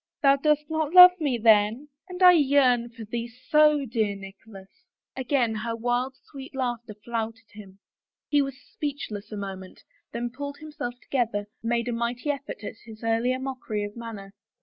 " Thou dost not love me, then ? And I yearn for thee so, dear Nicholas !" Again her wild, sweet laughter flouted him. He was speechless a moment, then pulling himself to gether, made a mighty effort at his earlier mockery of manner.